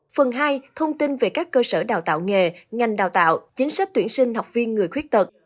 phần hai thông tin về các cơ sở đào tạo nghề ngành đào tạo chính sách tuyển sinh học viên người khuyết tật